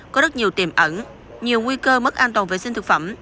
có rất nhiều tiềm ẩn nhiều nguy cơ mất an toàn vệ sinh thực phẩm